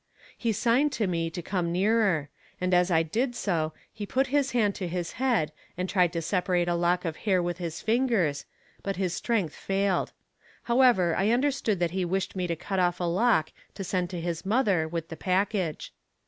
He signed to me to come nearer; and as I did so, he put his hand to his head and tried to separate a lock of hair with his fingers, but his strength failed; however, I understood that he wished me to cut off a lock to send to his mother with the package.